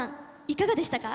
いかがでしたか？